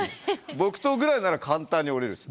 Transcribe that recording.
木刀ぐらいなら簡単に折れるんです。